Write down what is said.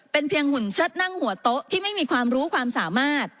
เป็นเพียงหุ่นเชิดนั่งหัวโต๊ะที่ไม่มีความรู้ความสามารถ